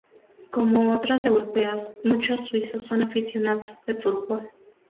Como otros europeos, muchos suizos son aficionados del fútbol.